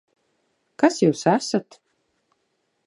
Kas jūs esat?